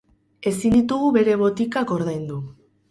Ezin ditugu bere botikak ordaindu.